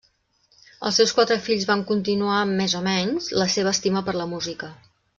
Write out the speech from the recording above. Els seus quatre fills van continuar, més o menys, la seva estima per la música.